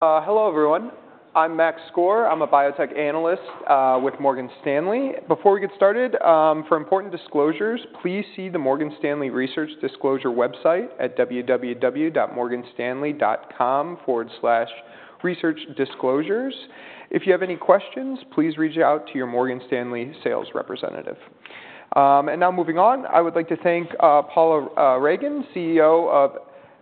Hello, everyone. I'm Max Skor. I'm a biotech analyst with Morgan Stanley. Before we get started, for important disclosures, please see the Morgan Stanley Research Disclosure website at www.morganstanley.com/researchdisclosures. If you have any questions, please reach out to your Morgan Stanley sales representative. And now moving on, I would like to thank Paula Ragan, CEO of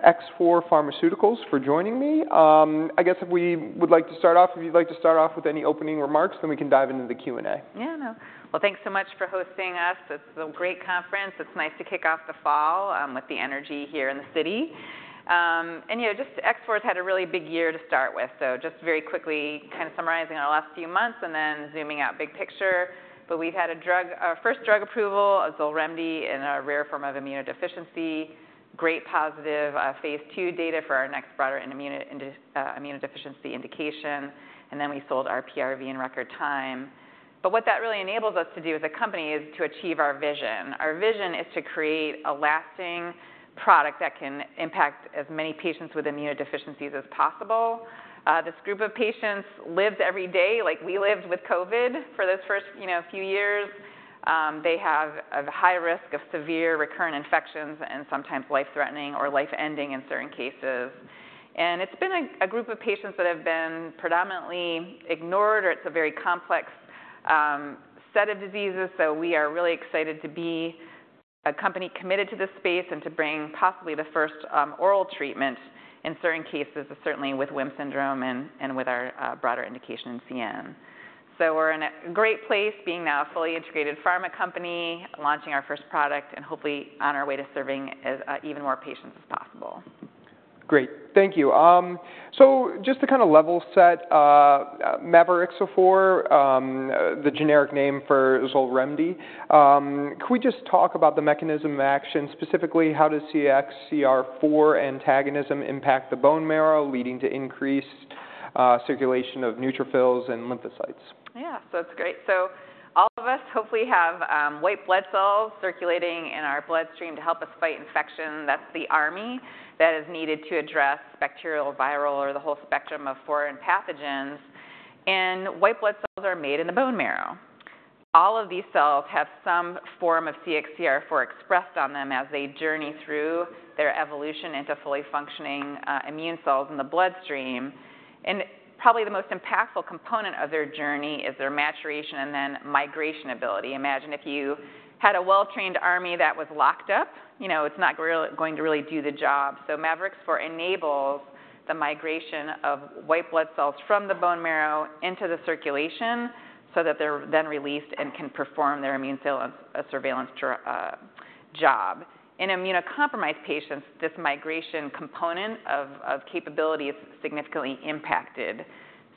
X4 Pharmaceuticals, for joining me. I guess if we would like to start off, if you'd like to start off with any opening remarks, then we can dive into the Q&A. Yeah, no. Well, thanks so much for hosting us. This is a great conference. It's nice to kick off the fall with the energy here in the city. And, you know, just X4's had a really big year to start with, so just very quickly kind of summarizing the last few months and then zooming out big picture. But we've had a drug, our first drug approval, Xolremdi, in a rare form of immunodeficiency, great positive phase II data for our next broader immunodeficiency indication, and then we sold our PRV in record time. But what that really enables us to do as a company is to achieve our vision. Our vision is to create a lasting product that can impact as many patients with immunodeficiencies as possible. This group of patients lived every day like we lived with COVID for those first, you know, few years. They have a high risk of severe recurrent infections and sometimes life-threatening or life-ending in certain cases. And it's been a group of patients that have been predominantly ignored, or it's a very complex set of diseases. So we are really excited to be a company committed to this space and to bring possibly the first oral treatment in certain cases, certainly with WHIM syndrome and with our broader indication in CN. So we're in a great place, being now a fully integrated pharma company, launching our first product, and hopefully on our way to serving even more patients as possible. Great. Thank you. So just to kind of level set, mavorixafor, the generic name for Xolremdi, could we just talk about the mechanism of action? Specifically, how does CXCR4 antagonism impact the bone marrow, leading to increased circulation of neutrophils and lymphocytes? Yeah, so it's great. So all of us hopefully have white blood cells circulating in our bloodstream to help us fight infection. That's the army that is needed to address bacterial, viral, or the whole spectrum of foreign pathogens, and white blood cells are made in the bone marrow. All of these cells have some form of CXCR4 expressed on them as they journey through their evolution into fully functioning immune cells in the bloodstream. And probably the most impactful component of their journey is their maturation and then migration ability. Imagine if you had a well-trained army that was locked up. You know, it's not really going to really do the job. So mavorixafor enables the migration of white blood cells from the bone marrow into the circulation so that they're then released and can perform their immune surveillance job. In immunocompromised patients, this migration component of capability is significantly impacted,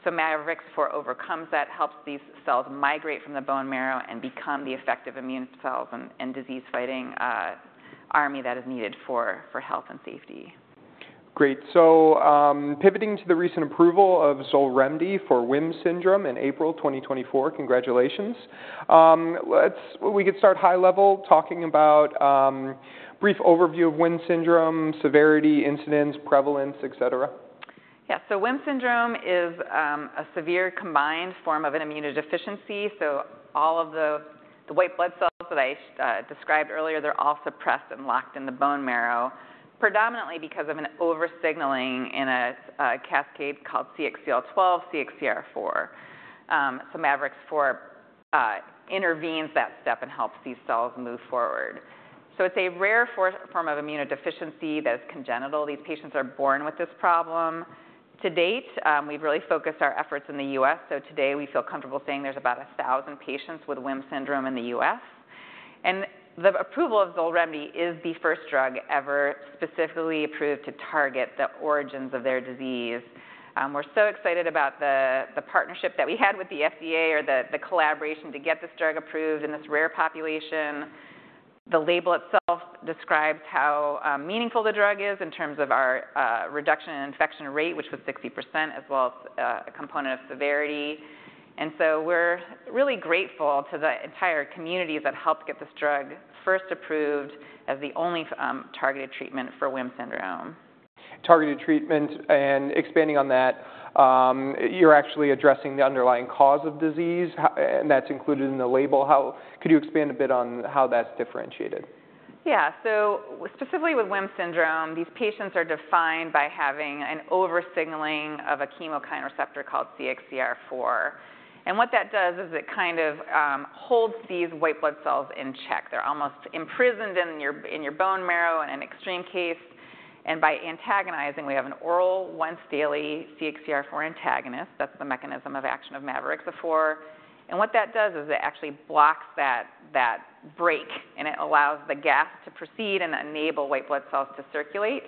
so mavorixafor overcomes that, helps these cells migrate from the bone marrow and become the effective immune cells and disease-fighting army that is needed for health and safety. Great. So, pivoting to the recent approval of Xolremdi for WHIM syndrome in April 2024, congratulations. We could start high level, talking about brief overview of WHIM syndrome, severity, incidence, prevalence, et cetera. Yeah, so WHIM syndrome is a severe combined form of an immunodeficiency. So all of the, the white blood cells that I described earlier, they're all suppressed and locked in the bone marrow, predominantly because of an oversignaling in a cascade called CXCL12/CXCR4. So mavorixafor intervenes that step and helps these cells move forward. So it's a rare form of immunodeficiency that is congenital. These patients are born with this problem. To date, we've really focused our efforts in the U.S., so today we feel comfortable saying there's about a thousand patients with WHIM syndrome in the U.S. And the approval of Xolremdi is the first drug ever specifically approved to target the origins of their disease. We're so excited about the, the partnership that we had with the FDA or the, the collaboration to get this drug approved in this rare population. The label itself describes how meaningful the drug is in terms of our reduction in infection rate, which was 60%, as well as a component of severity. And so we're really grateful to the entire community that helped get this drug first approved as the only targeted treatment for WHIM syndrome. Targeted treatment, and expanding on that, you're actually addressing the underlying cause of disease, and that's included in the label. How could you expand a bit on how that's differentiated? Yeah. So specifically with WHIM syndrome, these patients are defined by having an oversignaling of a chemokine receptor called CXCR4, and what that does is it kind of holds these white blood cells in check. They're almost imprisoned in your bone marrow in an extreme case, and by antagonizing, we have an oral, once-daily CXCR4 antagonist. That's the mechanism of action of mavorixafor. And what that does is it actually blocks that brake, and it allows the cells to proceed and enable white blood cells to circulate.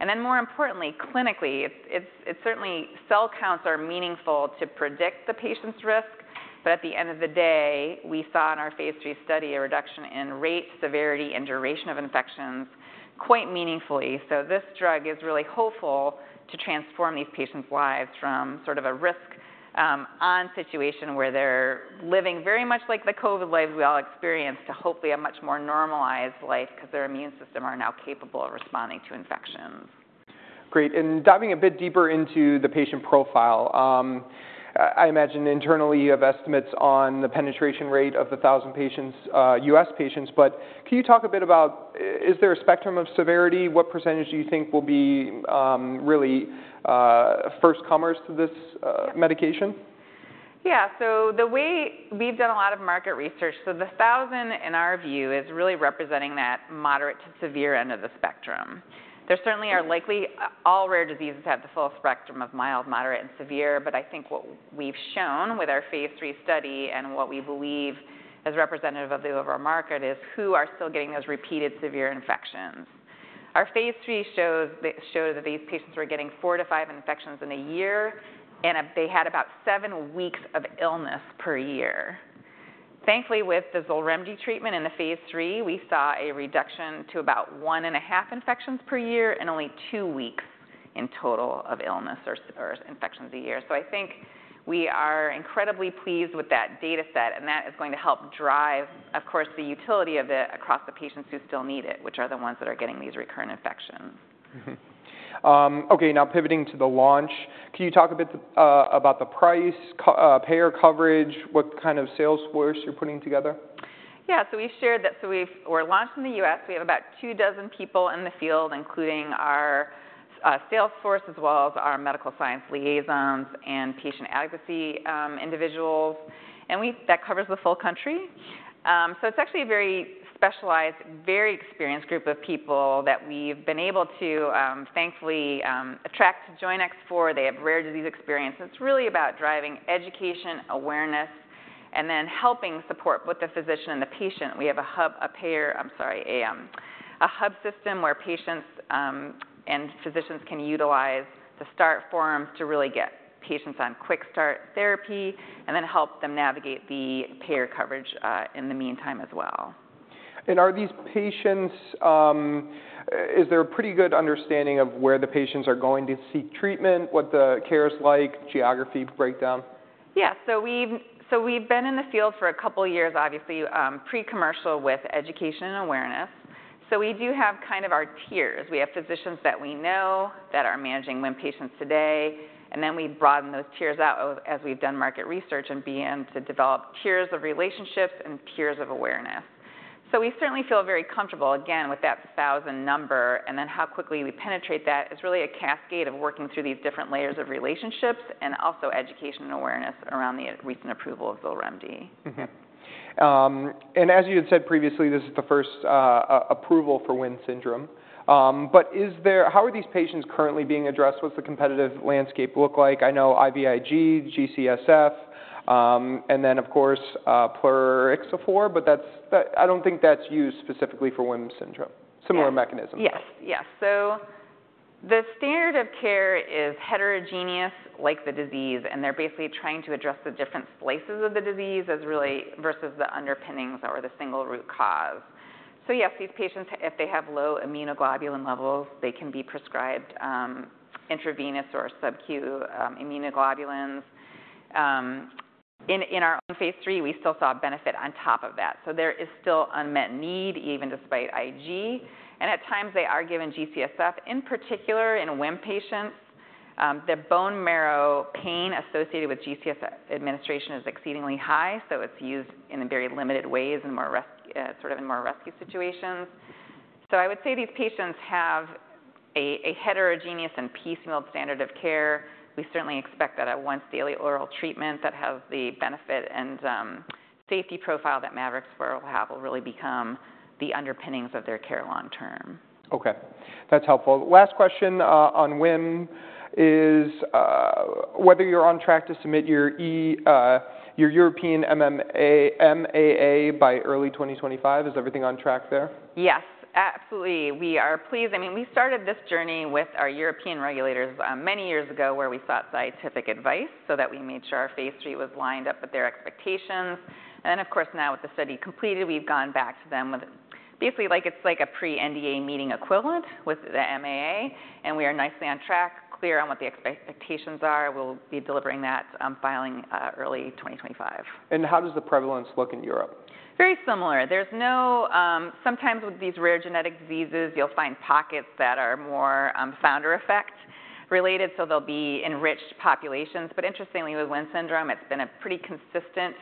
And then, more importantly, clinically, it's certainly cell counts are meaningful to predict the patient's risk, but at the end of the day, we saw in our phase III study a reduction in rate, severity, and duration of infections quite meaningfully. So this drug is really hopeful to transform these patients' lives from sort of a risk-... on situation where they're living very much like the COVID lives we all experienced, to hopefully a much more normalized life, 'cause their immune system are now capable of responding to infections. Great. And diving a bit deeper into the patient profile, I imagine internally you have estimates on the penetration rate of the 1,000 patients, U.S. patients, but can you talk a bit about is there a spectrum of severity? What percentage do you think will be, really, first comers to this, medication? Yeah. So we've done a lot of market research, so the thousand, in our view, is really representing that moderate to severe end of the spectrum. There certainly are likely. All rare diseases have the full spectrum of mild, moderate, and severe, but I think what we've shown with our phase III study and what we believe as representative of the overall market, is who are still getting those repeated severe infections. Our phase III showed that these patients were getting four to five infections in a year, and they had about seven weeks of illness per year. Thankfully, with the Xolremdi treatment in the phase III, we saw a reduction to about one and a half infections per year, and only two weeks in total of illness or infections a year. So I think we are incredibly pleased with that data set, and that is going to help drive, of course, the utility of it across the patients who still need it, which are the ones that are getting these recurrent infections. Mm-hmm. Okay, now pivoting to the launch, can you talk a bit about the price, copay, payer coverage, what kind of sales force you're putting together? Yeah. So we shared that. So we're launched in the U.S.. We have about two dozen people in the field, including our sales force, as well as our medical science liaisons and patient advocacy individuals, and that covers the full country. So it's actually a very specialized, very experienced group of people that we've been able to thankfully attract to join X4. They have rare disease experience. So it's really about driving education, awareness, and then helping support with the physician and the patient. We have a hub, a payer. I'm sorry, a hub system where patients and physicians can utilize the start forms to really get patients on quick start therapy and then help them navigate the payer coverage in the meantime as well. Are these patients, is there a pretty good understanding of where the patients are going to seek treatment, what the care is like, geography breakdown? Yeah. So we've been in the field for a couple of years, obviously, pre-commercial with education and awareness. So we do have kind of our tiers. We have physicians that we know that are managing WHIM patients today, and then we broaden those tiers out as we've done market research and begin to develop tiers of relationships and tiers of awareness. So we certainly feel very comfortable, again, with that thousand number, and then how quickly we penetrate that is really a cascade of working through these different layers of relationships and also education and awareness around the recent approval of Xolremdi. And as you had said previously, this is the first approval for WHIM syndrome. But how are these patients currently being addressed? What's the competitive landscape look like? I know IVIG, G-CSF, and then, of course, plerixafor, but that's. I don't think that's used specifically for WHIM syndrome. Yeah. Similar mechanism. Yes. Yes. So the standard of care is heterogeneous, like the disease, and they're basically trying to address the different splices of the disease as really, versus the underpinnings or the single root cause. So yes, these patients, if they have low immunoglobulin levels, they can be prescribed intravenous or sub-Q immunoglobulins. In our own phase III, we still saw a benefit on top of that. So there is still unmet need, even despite IG, and at times they are given G-CSF. In particular, in WHIM patients, the bone marrow pain associated with G-CSF administration is exceedingly high, so it's used in a very limited ways and more sort of in more rescue situations. So I would say these patients have a heterogeneous and piecemeal standard of care. We certainly expect that a once daily oral treatment that has the benefit and, safety profile that mavorixafor will have will really become the underpinnings of their care long term. Okay, that's helpful. Last question on WHIM is whether you're on track to submit your European MAA by early 2025. Is everything on track there? Yes, absolutely. We are pleased. I mean, we started this journey with our European regulators, many years ago, where we sought scientific advice, so that we made sure our phase III was lined up with their expectations. And then, of course, now with the study completed, we've gone back to them with basically, like it's like a pre-NDA meeting equivalent with the MAA, and we are nicely on track, clear on what the expectations are. We'll be delivering that filing early twenty twenty-five. How does the prevalence look in Europe? Very similar. There's no... Sometimes with these rare genetic diseases, you'll find pockets that are more founder effect related, so they'll be enriched populations. But interestingly, with WHIM syndrome, it's been a pretty consistent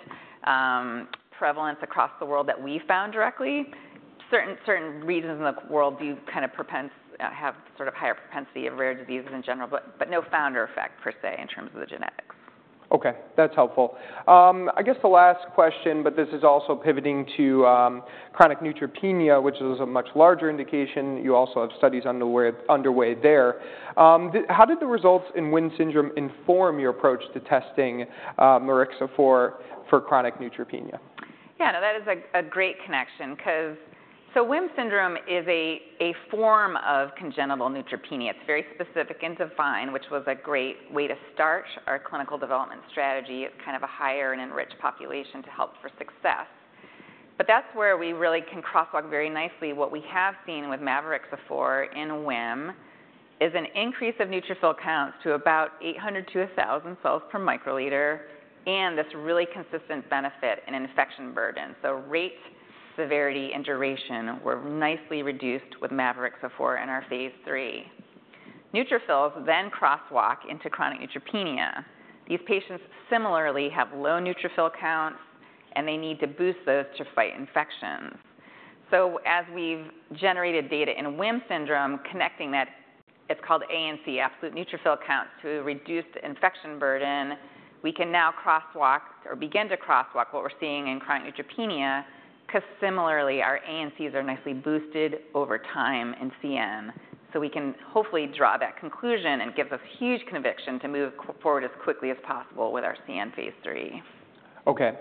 prevalence across the world that we found directly. Certain regions in the world do kind of have sort of higher propensity of rare diseases in general, but no founder effect per se, in terms of the genetics. Okay, that's helpful. I guess the last question, but this is also pivoting to chronic neutropenia, which is a much larger indication. You also have studies underway there. How did the results in WHIM syndrome inform your approach to testing mavorixafor for chronic neutropenia? Yeah, no, that is a great connection 'cause. So WHIM syndrome is a form of congenital neutropenia. It's very specific and defined, which was a great way to start our clinical development strategy. It's kind of a higher and enriched population to help for success. But that's where we really can crosswalk very nicely. What we have seen with mavorixafor in WHIM is an increase of neutrophil counts to about 800-1,000 cells per microliter, and this really consistent benefit in infection burden. So rate, severity, and duration were nicely reduced with mavorixafor in our phase III. Neutrophils then crosswalk into chronic neutropenia. These patients similarly have low neutrophil counts, and they need to boost those to fight infections. So as we've generated data in WHIM syndrome, connecting that, it's called ANC, absolute neutrophil count, to reduce the infection burden, we can now crosswalk or begin to crosswalk what we're seeing in chronic neutropenia because similarly, our ANCs are nicely boosted over time in CN. So we can hopefully draw that conclusion and gives us huge conviction to move forward as quickly as possible with our CN phase III. Okay,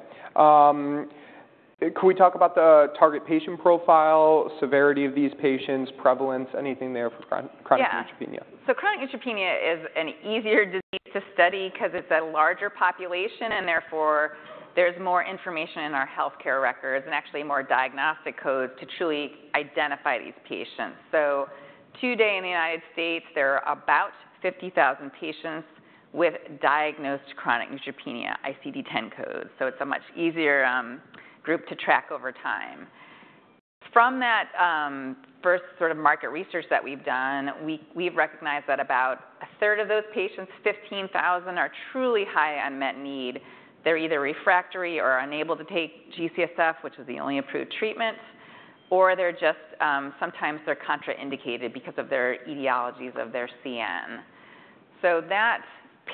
can we talk about the target patient profile, severity of these patients, prevalence, anything there for chronic neutropenia? Yeah. So chronic neutropenia is an easier disease to study 'cause it's a larger population, and therefore, there's more information in our healthcare records and actually more diagnostic codes to truly identify these patients. So today in the United States, there are about 50,000 patients with diagnosed chronic neutropenia, ICD-10 codes, so it's a much easier group to track over time. From that first sort of market research that we've done, we've recognized that about a third of those patients, 15,000, are truly high unmet need. They're either refractory or unable to take G-CSF, which is the only approved treatment, or they're just sometimes contraindicated because of their etiologies of their CN. So that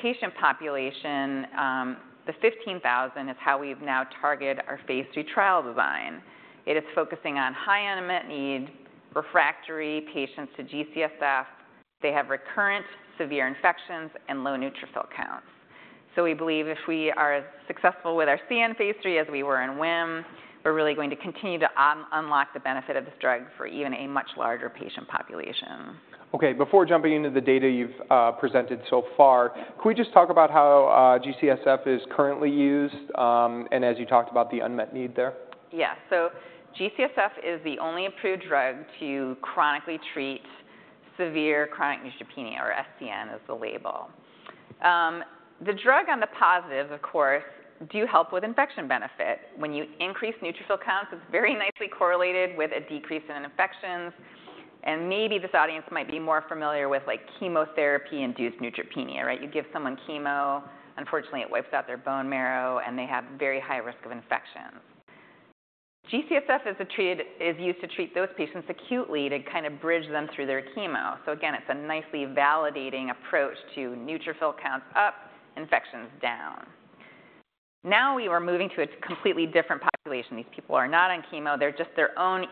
patient population, the 15,000, is how we've now targeted our phase II trial design. It is focusing on high unmet need, refractory patients to G-CSF. They have recurrent severe infections and low neutrophil counts. So we believe if we are as successful with our CN phase III as we were in WHIM, we're really going to continue to unlock the benefit of this drug for even a much larger patient population. Okay, before jumping into the data you've presented so far, could we just talk about how G-CSF is currently used, and as you talked about the unmet need there? Yeah. So G-CSF is the only approved drug to chronically treat severe chronic neutropenia, or SCN is the label. The drug on the positive, of course, do help with infection benefit. When you increase neutrophil counts, it's very nicely correlated with a decrease in infections, and maybe this audience might be more familiar with, like, chemotherapy-induced neutropenia, right? You give someone chemo, unfortunately, it wipes out their bone marrow, and they have very high risk of infections. G-CSF is used to treat those patients acutely to kind of bridge them through their chemo. So again, it's a nicely validating approach to neutrophil counts up, infections down. Now we are moving to a completely different population. These people are not on chemo, they're just their own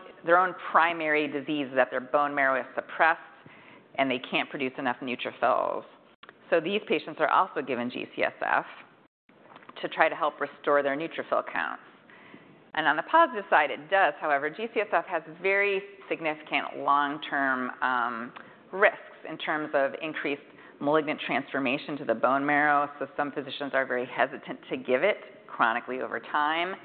primary disease, that their bone marrow is suppressed, and they can't produce enough neutrophils. So these patients are also given G-CSF to try to help restore their neutrophil counts, and on the positive side, it does. However, G-CSF has very significant long-term risks in terms of increased malignant transformation to the bone marrow, so some physicians are very hesitant to give it chronically over time.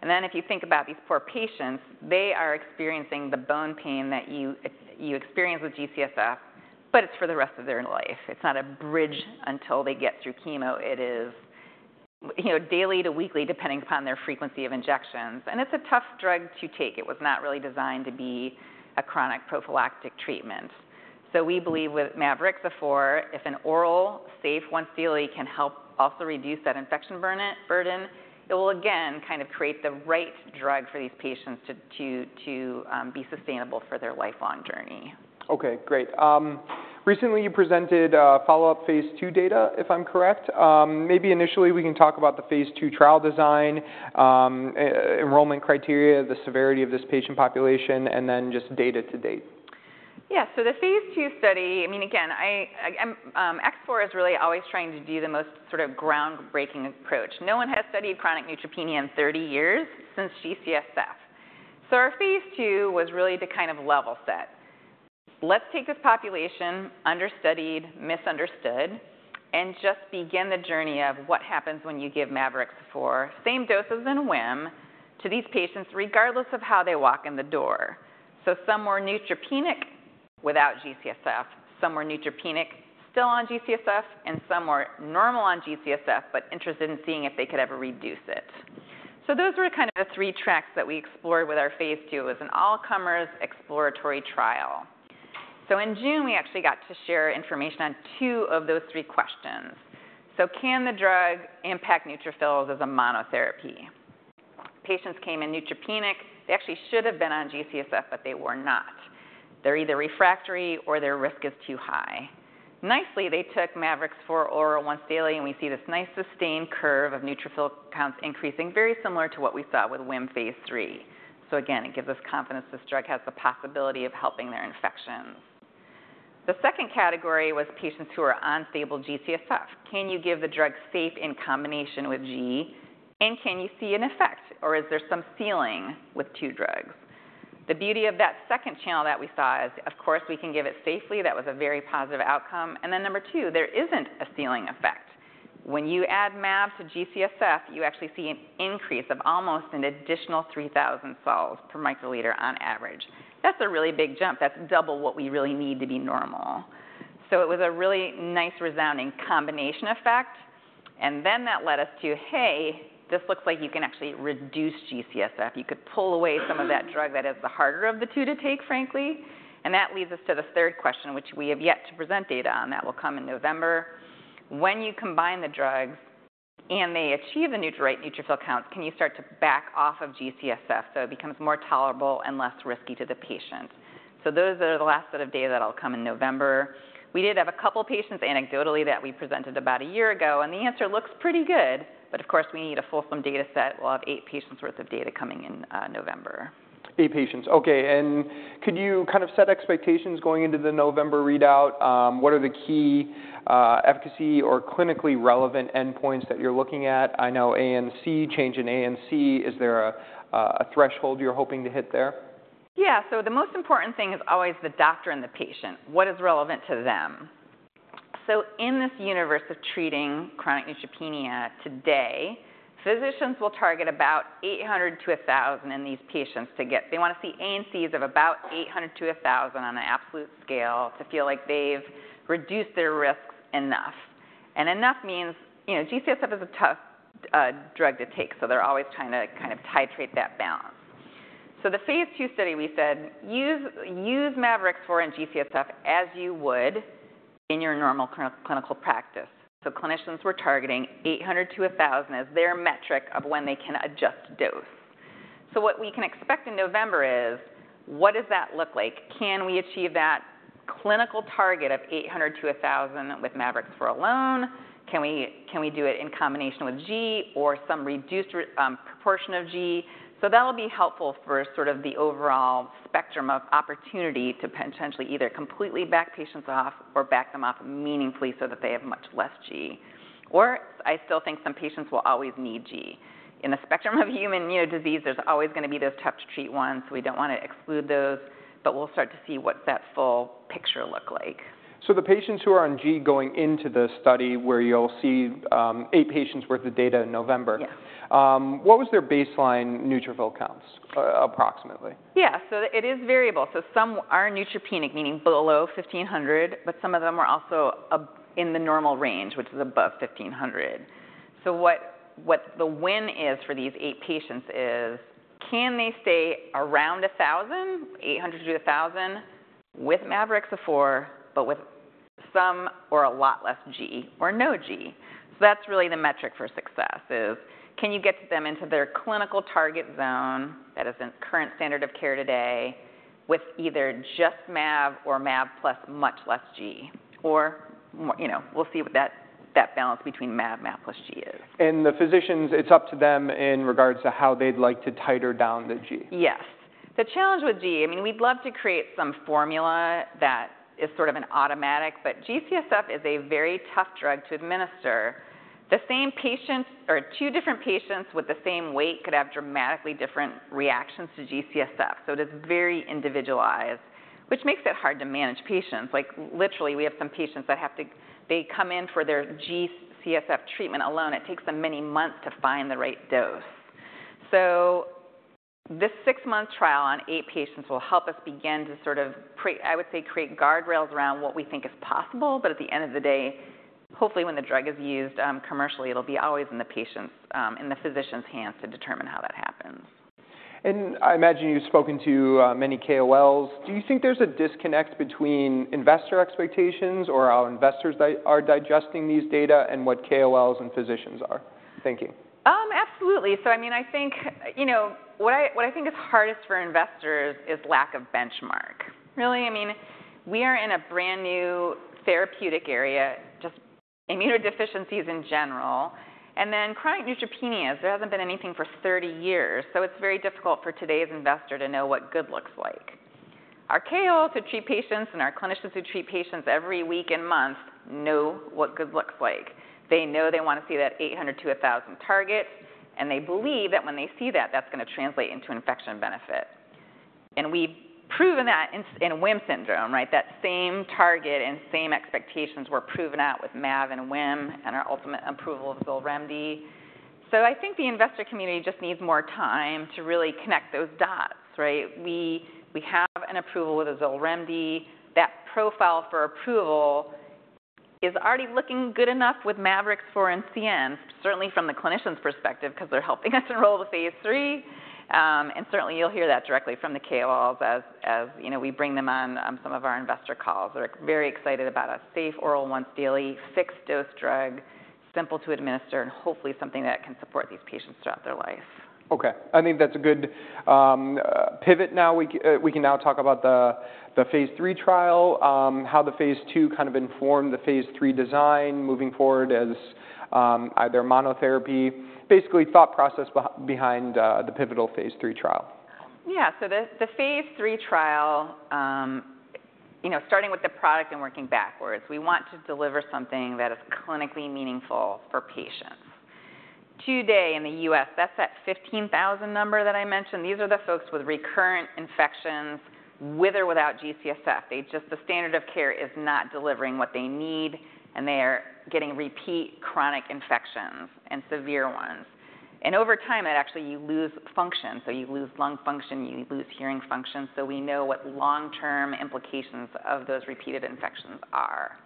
And then, if you think about these poor patients, they are experiencing the bone pain that you experience with G-CSF, but it's for the rest of their life. It's not a bridge until they get through chemo. It is, you know, daily to weekly, depending upon their frequency of injections, and it's a tough drug to take. It was not really designed to be a chronic prophylactic treatment. We believe with mavorixafor, if an oral, safe, once-daily can help also reduce that infection burden. It will again kind of create the right drug for these patients to be sustainable for their lifelong journey. Okay, great. Recently, you presented follow-up phase II data, if I'm correct. Maybe initially, we can talk about the phase II trial design, enrollment criteria, the severity of this patient population, and then just data to date. Yeah. So the phase II study. I mean, again, I X4 is really always trying to do the most sort of groundbreaking approach. No one has studied chronic neutropenia in 30 years, since G-CSF. So our phase II was really to kind of level set. Let's take this population, understudied, misunderstood, and just begin the journey of what happens when you give mavorixafor, same doses in WHIM, to these patients, regardless of how they walk in the door. So some were neutropenic without G-CSF, some were neutropenic still on G-CSF, and some were normal on G-CSF but interested in seeing if they could ever reduce it. So those were kind of the three tracks that we explored with our phase II. It was an all-comers exploratory trial. So in June, we actually got to share information on two of those three questions. So can the drug impact neutrophils as a monotherapy? Patients came in neutropenic. They actually should have been on G-CSF, but they were not. They're either refractory or their risk is too high. Nicely, they took mavorixafor oral once daily, and we see this nice sustained curve of neutrophil counts increasing, very similar to what we saw with WHIM phase III. So again, it gives us confidence this drug has the possibility of helping their infections. The second category was patients who are on stable G-CSF. Can we give the drug safely in combination with G, and can you see an effect, or is there some ceiling with two drugs? The beauty of that second panel that we saw is, of course, we can give it safely. That was a very positive outcome. And then, number two, there isn't a ceiling effect. When you add mav to G-CSF, you actually see an increase of almost an additional three thousand cells per microliter on average. That's a really big jump. That's double what we really need to be normal, so it was a really nice, resounding combination effect, and then that led us to, "Hey, this looks like you can actually reduce G-CSF." You could pull away some of that drug that is the harder of the two to take, frankly, and that leads us to the third question, which we have yet to present data on. That will come in November. When you combine the drugs and they achieve the right neutrophil counts, can you start to back off of G-CSF so it becomes more tolerable and less risky to the patient, so those are the last set of data that'll come in November. We did have a couple patients anecdotally that we presented about a year ago, and the answer looks pretty good, but of course, we need a fulsome data set. We'll have eight patients' worth of data coming in November. Eight patients. Okay, and could you kind of set expectations going into the November readout? What are the key efficacy or clinically relevant endpoints that you're looking at? I know ANC, change in ANC. Is there a threshold you're hoping to hit there? Yeah. So the most important thing is always the doctor and the patient, what is relevant to them. So in this universe of treating chronic neutropenia today, physicians will target about eight hundred to a thousand in these patients to get... They want to see ANCs of about eight hundred to a thousand on an absolute scale to feel like they've reduced their risks enough. And enough means, you know, G-CSF is a tough drug to take, so they're always trying to kind of titrate that balance. So the phase II study, we said, "Use mavorixafor and G-CSF as you would in your normal clinical practice." So clinicians were targeting eight hundred to a thousand as their metric of when they can adjust dose. So what we can expect in November is, what does that look like? Can we achieve that clinical target of 800 to 1,000 with mavorixafor alone? Can we, can we do it in combination with G or some reduced proportion of G? So that'll be helpful for sort of the overall spectrum of opportunity to potentially either completely back patients off or back them off meaningfully so that they have much less G. Or I still think some patients will always need G. In the spectrum of human immunodeficiency, there's always going to be those tough to treat ones. We don't want to exclude those, but we'll start to see what that full picture look like. So the patients who are on G going into the study, where you'll see eight patients worth of data in November- Yes. What was their baseline neutrophil counts, approximately? Yeah. So it is variable. So some are neutropenic, meaning below fifteen hundred, but some of them are also up in the normal range, which is above fifteen hundred. So what the win is for these eight patients is, can they stay around eight hundred to a thousand, with mavorixafor, but with some or a lot less G or no G? So that's really the metric for success is: can you get them into their clinical target zone, that is in current standard of care today, with either just mav or mav plus much less G? Or you know, we'll see what that balance between mav plus G is. The physicians, it's up to them in regards to how they'd like to taper down the G? Yes. The challenge with G, I mean, we'd love to create some formula that is sort of an automatic, but G-CSF is a very tough drug to administer. The same patients, or two different patients with the same weight could have dramatically different reactions to G-CSF, so it is very individualized, which makes it hard to manage patients. Like, literally, we have some patients that have to, they come in for their G-CSF treatment alone. It takes them many months to find the right dose. So this six-month trial on eight patients will help us begin to sort of, I would say, create guardrails around what we think is possible, but at the end of the day, hopefully, when the drug is used commercially, it'll be always in the patients', in the physician's hands to determine how that happens. I imagine you've spoken to many KOLs. Do you think there's a disconnect between investor expectations or how investors are digesting these data and what KOLs and physicians are thinking? Absolutely. So I mean, I think, you know... What I think is hardest for investors is lack of benchmark, really. I mean, we are in a brand-new therapeutic area, just immunodeficiencies in general, and then chronic neutropenias, there hasn't been anything for thirty years, so it's very difficult for today's investor to know what good looks like. Our KOLs who treat patients and our clinicians who treat patients every week and month know what good looks like. They know they want to see that eight hundred to a thousand target, and they believe that when they see that, that's going to translate into infection benefit. And we've proven that in WHIM syndrome, right? That same target and same expectations were proven out with mav and WHIM and our ultimate approval of Xolremdi. So I think the investor community just needs more time to really connect those dots, right? We have an approval with Xolremdi. That profile for approval is already looking good enough with mavorixafor and CN, certainly from the clinicians' perspective, because they're helping us enroll the phase III. And certainly, you'll hear that directly from the KOLs as you know, we bring them on some of our investor calls. They're very excited about a safe, oral, once-daily, fixed-dose drug, simple to administer, and hopefully something that can support these patients throughout their life. Okay, I think that's a good pivot now. We can now talk about the phase III trial, how the phase II kind of informed the phase III design moving forward as either monotherapy. Basically, thought process behind the pivotal phase III trial. Yeah. So the phase III trial, you know, starting with the product and working backwards, we want to deliver something that is clinically meaningful for patients. Today in the U.S., that's that 15,000 number that I mentioned. These are the folks with recurrent infections, with or without G-CSF. They just, the standard of care is not delivering what they need, and they are getting repeat chronic infections and severe ones. And over time, it actually, you lose function, so you lose lung function, you lose hearing function, so we know what long-term implications of those repeated infections are.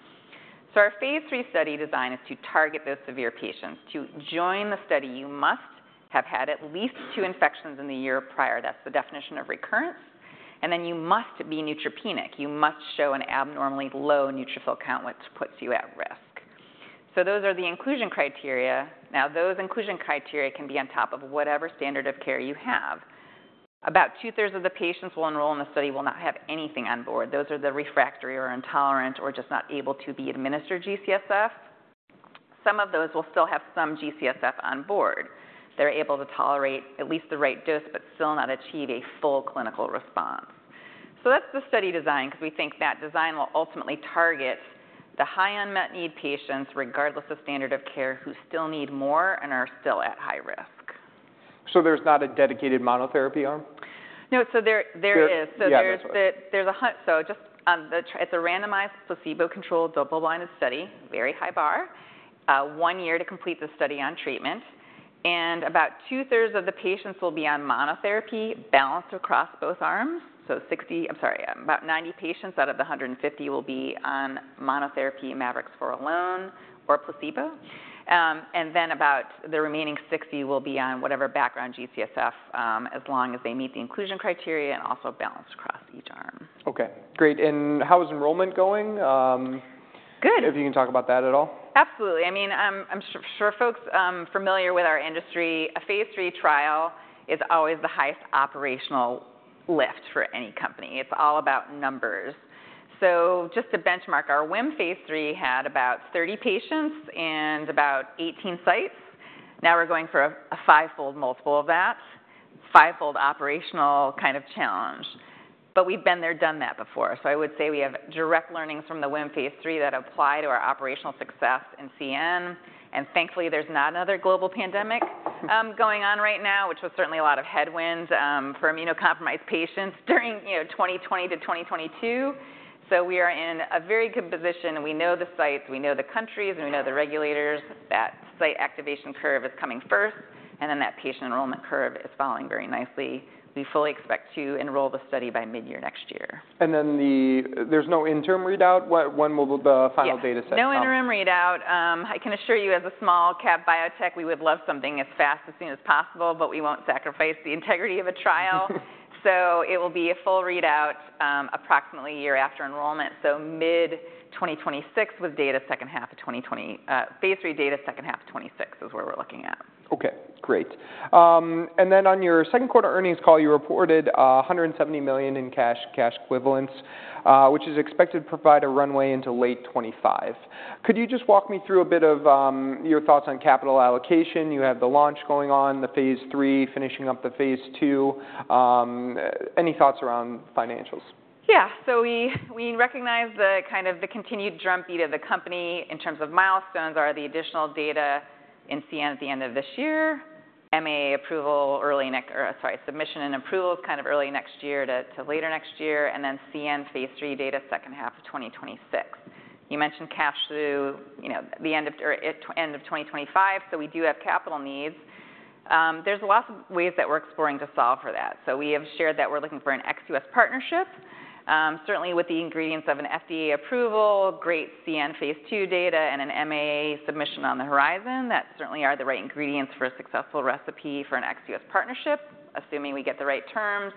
So our phase III study design is to target those severe patients. To join the study, you must have had at least two infections in the year prior. That's the definition of recurrence. And then you must be neutropenic. You must show an abnormally low neutrophil count, which puts you at risk. So those are the inclusion criteria. Now, those inclusion criteria can be on top of whatever standard of care you have. About two-thirds of the patients we'll enroll in the study will not have anything on board. Those are the refractory or intolerant or just not able to be administered G-CSF. Some of those will still have some G-CSF on board. They're able to tolerate at least the right dose but still not achieve a full clinical response. So that's the study design, because we think that design will ultimately target the high unmet need patients, regardless of standard of care, who still need more and are still at high risk. So there's not a dedicated monotherapy arm? No, so there is. Yeah. It's a randomized, placebo-controlled, double-blinded study, very high bar, one year to complete the study on treatment, and about two-thirds of the patients will be on monotherapy balanced across both arms. I'm sorry, about ninety patients out of the hundred and fifty will be on monotherapy mavorixafor alone or placebo. And then about the remaining sixty will be on whatever background G-CSF, as long as they meet the inclusion criteria and also balanced across each arm. Okay, great. And how is enrollment going? Good. If you can talk about that at all. Absolutely. I mean, I'm sure folks familiar with our industry, a phase III trial is always the highest operational lift for any company. It's all about numbers. So just to benchmark, our WHIM phase III had about 30 patients and about 18 sites. Now we're going for a fivefold multiple of that, fivefold operational kind of challenge. But we've been there, done that before, so I would say we have direct learnings from the WHIM phase III that apply to our operational success in CN. And thankfully, there's not another global pandemic going on right now, which was certainly a lot of headwinds for immunocompromised patients during, you know, 2020 to 2022. So we are in a very good position, and we know the sites, we know the countries, and we know the regulators. That site activation curve is coming first, and then that patient enrollment curve is following very nicely. We fully expect to enroll the study by midyear next year. There's no interim readout? When will the final data set come? Yeah, no interim readout. I can assure you, as a small-cap biotech, we would love something as fast, as soon as possible, but we won't sacrifice the integrity of a trial. So it will be a full readout, approximately a year after enrollment, so mid-2026, with data second half of twenty twenty, phase III data second half of twenty-six is where we're looking at. Okay, great. And then on your second quarter earnings call, you reported $170 million in cash, cash equivalents, which is expected to provide a runway into late 2025. Could you just walk me through a bit of your thoughts on capital allocation? You have the launch going on, the phase III, finishing up the phase II. Any thoughts around financials? Yeah. So we recognize the kind of the continued drumbeat of the company in terms of milestones or the additional data in CN at the end of this year, MAA approval early next, or sorry, submission and approval kind of early next year to later next year, and then CN phase III data second half of 2026. You mentioned cash through, you know, the end of, or at end of 2025, so we do have capital needs. There's lots of ways that we're exploring to solve for that. So we have shared that we're looking for an ex-U.S. partnership. Certainly with the ingredients of an FDA approval, great CN phase II data, and an MAA submission on the horizon, that certainly are the right ingredients for a successful recipe for an ex-U.S. partnership, assuming we get the right terms.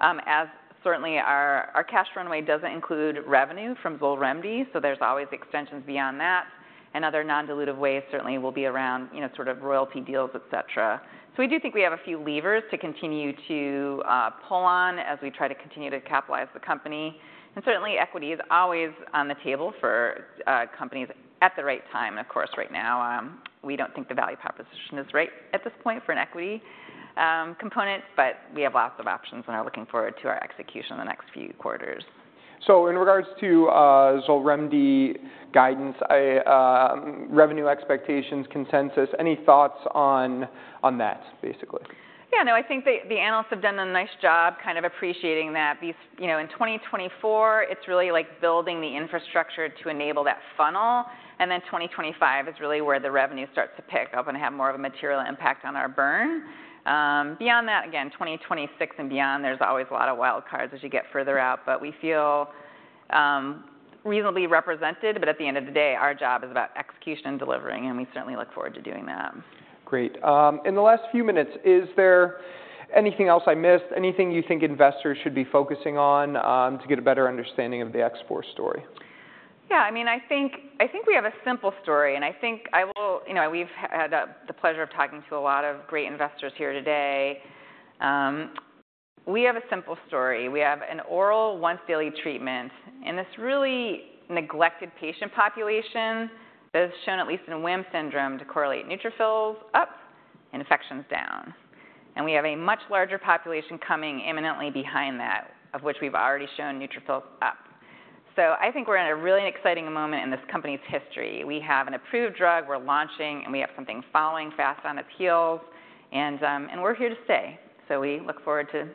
As certainly our cash runway doesn't include revenue from Xolremdi, so there's always extensions beyond that, and other non-dilutive ways certainly will be around, you know, sort of royalty deals, et cetera. So we do think we have a few levers to continue to pull on as we try to continue to capitalize the company. And certainly, equity is always on the table for companies at the right time. Of course, right now, we don't think the value proposition is right at this point for an equity component, but we have lots of options and are looking forward to our execution in the next few quarters. So in regards to Xolremdi guidance, revenue expectations, consensus, any thoughts on that, basically? Yeah, no, I think the analysts have done a nice job kind of appreciating that these. You know, in 2024, it's really like building the infrastructure to enable that funnel, and then 2025 is really where the revenue starts to pick up and have more of a material impact on our burn. Beyond that, again, 2026 and beyond, there's always a lot of wild cards as you get further out, but we feel reasonably represented. But at the end of the day, our job is about execution and delivering, and we certainly look forward to doing that. Great. In the last few minutes, is there anything else I missed? Anything you think investors should be focusing on, to get a better understanding of the X4 story? Yeah, I mean, I think we have a simple story, and I think I will. You know, we've had the pleasure of talking to a lot of great investors here today. We have a simple story. We have an oral once-daily treatment, and this really neglected patient population that has shown, at least in WHIM syndrome, to correlate neutrophils up and infections down. And we have a much larger population coming imminently behind that, of which we've already shown neutrophils up. So I think we're in a really exciting moment in this company's history. We have an approved drug, we're launching, and we have something following fast on the heels, and we're here to stay. So we look forward to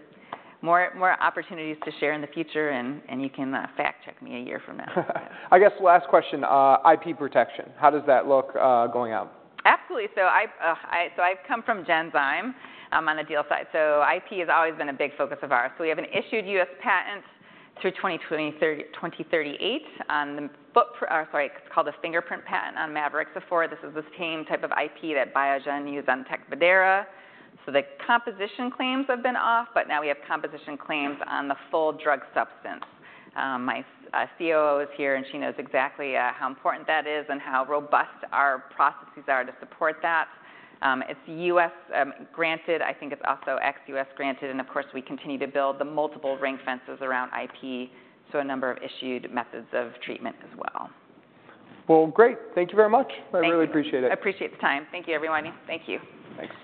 more opportunities to share in the future, and you can fact-check me a year from now. I guess last question, IP protection, how does that look, going out? Absolutely, so I've come from Genzyme on the deal side, so IP has always been a big focus of ours, so we have an issued U.S. patent through 2023, 2038. It's called a fingerprint patent on mavorixafor. This is the same type of IP that Biogen used on Tecfidera, so the composition claims have been allowed, but now we have composition claims on the full drug substance. My COO is here, and she knows exactly how important that is and how robust our processes are to support that. It's U.S. granted, I think it's also ex-U.S. granted, and of course, we continue to build the multiple ring fences around IP, so a number of issued methods of treatment as well. Great. Thank you very much. Thank you. I really appreciate it. Appreciate the time. Thank you, everyone. Thank you. Thanks.